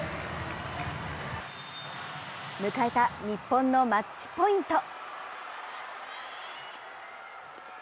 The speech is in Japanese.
迎えた日本のマッチポイント。